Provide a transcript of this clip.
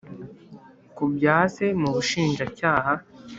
ku byase mubushinja cyaha"